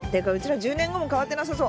１０年後も変わってなさそう。